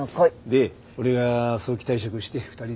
で俺が早期退職して２人で。